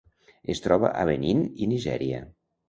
Es troba a Benín i Nigèria.